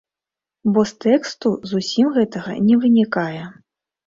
Бо з тэксту зусім гэтага не вынікае.